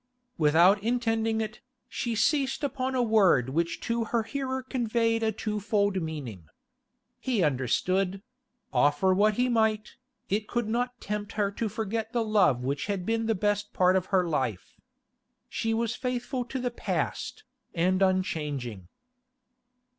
Without intending it, she ceased upon a word which to her hearer conveyed a twofold meaning. He understood; offer what he might, it could not tempt her to forget the love which had been the best part of her life. She was faithful to the past, and unchanging.